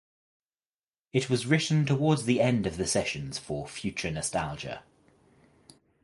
It was written towards the end of the sessions for "Future Nostalgia".